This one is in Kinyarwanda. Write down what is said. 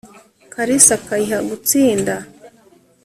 kalisa akayiha gutsinda